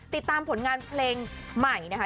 ติดตามผลงานเพลงใหม่นะคะ